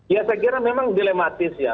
ya saya kira memang dilematis ya